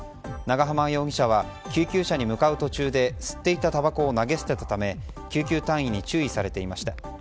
長濱容疑者は救急車に乗る途中で吸っていたたばこを投げ捨てたため救急隊員に注意されていました。